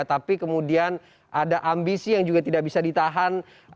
tapi kemudian ada ambisi yang juga tidak bisa ditahan